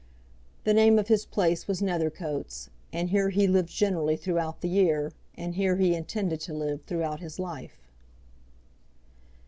The name of his place was Nethercoats, and here he lived generally throughout the year, and here he intended to live throughout his life.